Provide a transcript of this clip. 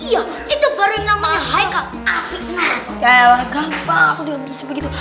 ya gampang aku juga bisa begitu